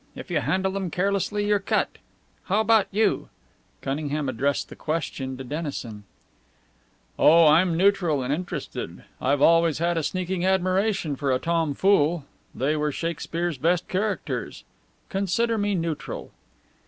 If you handle them carelessly you're cut. How about you?" Cunningham addressed the question to Dennison. "Oh, I'm neutral and interested. I've always had a sneaking admiration for a tomfool. They were Shakespeare's best characters. Consider me neutral."